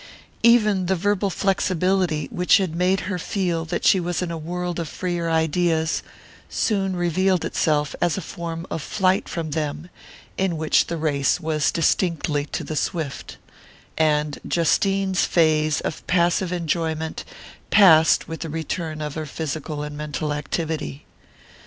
Even the verbal flexibility which had made her feel that she was in a world of freer ideas, soon revealed itself as a form of flight from them, in which the race was distinctly to the swift; and Justine's phase of passive enjoyment passed with the return of her physical and mental activity.